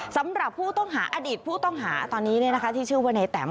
สำหรับผู้ต้องหาอดีตผู้ต้องหาตอนนี้ที่ชื่อว่าในแตม